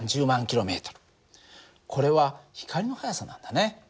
これは光の速さなんだね。